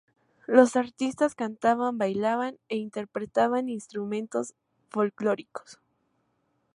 Los artistas cantaban, bailaban e interpretaban instrumentos folclóricos.